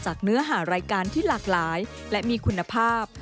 เนื้อหารายการที่หลากหลายและมีคุณภาพ